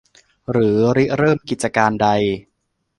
หรือริเริ่มกิจการใด